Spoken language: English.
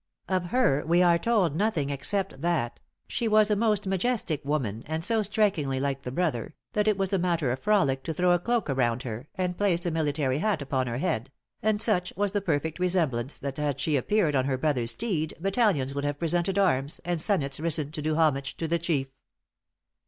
Of her we are told nothing, except that "she was a most majestic woman, and so strikingly like the brother, that it was a matter of frolic to throw a cloak around her, and place a military hat upon her head; and such was the perfect resemblance, that had she appeared on her brother's steed, battalions would have presented arms, and senates risen to do homage to the chief."